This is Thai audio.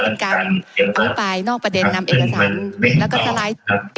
เป็นการอภิปรายนอกประเด็นนำเอกสารแล้วก็สไลด์